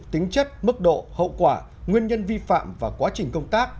tính chất mức độ hậu quả nguyên nhân vi phạm và quá trình công tác